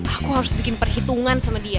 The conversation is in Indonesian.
aku harus bikin perhitungan sama dia